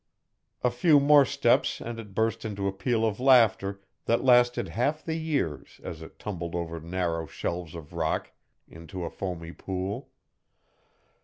A few more steps and it burst into a peal of laughter that lasted half the year as it tumbled over narrow shelves of rock into a foamy pool.